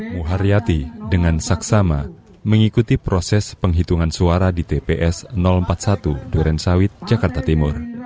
muharyati dengan saksama mengikuti proses penghitungan suara di tps empat puluh satu duren sawit jakarta timur